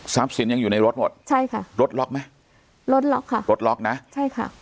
สินยังอยู่ในรถหมดใช่ค่ะรถล็อกไหมรถล็อกค่ะรถล็อกนะใช่ค่ะ